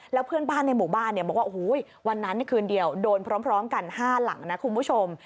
แล้วเพื่อนบ้านในหมู่บ้านบอกว่าโอ้โหวันนั้นคืนเดียวโดนพร้อมกัน๕หลังนะคุณผู้ชม